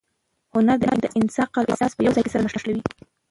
هنر د انسان عقل او احساس په یو ځای کې سره نښلوي.